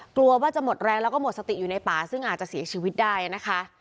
กลัวว่าจะหมดแรงแล้วก็หมดสติอยู่ในป่าซึ่งอาจจะเสียชีวิตได้นะคะ